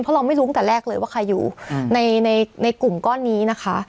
เพราะเราไม่รู้ตั้งแต่แรกเลยว่าใครอยู่ในกลุ่มก้อนนี้นะคะ